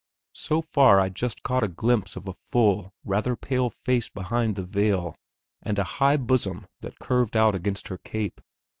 So far, I just caught a glimpse of a full, rather pale, face behind the veil, and a high bosom that curved out against her cape.